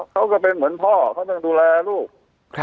เขาก็เป็นเหมือนพ่อเขาปั๊กถึงดูแลลูก